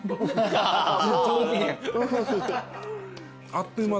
あっという間。